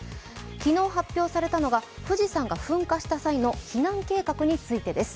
昨日発表されたのが富士山が噴火した際のハザードマップです。